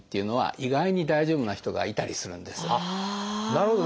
なるほど。